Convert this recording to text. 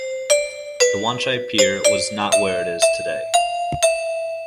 The Wanchai Pier was not where it is today.